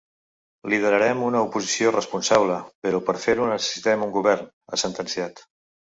Liderarem una oposició responsable, però per fer-ho necessitem un govern, ha sentenciat.